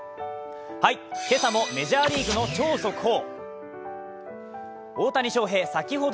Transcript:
今朝もメジャーリーグの超速報。